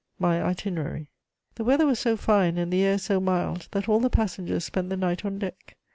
MY ITINERARY. "The weather was so fine and the air so mild that all the passengers spent the night on deck.